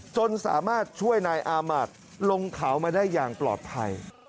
จนสามารถช่วยนายอามาตย์ลงเขามาได้อย่างปลอดภัย